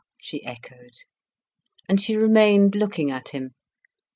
she echoed. And she remained looking at him.